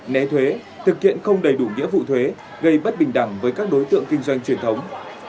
né thuế thực hiện không đầy đủ nghĩa vụ thuế gây bất bình đẳng với các đối tượng kinh doanh truyền thống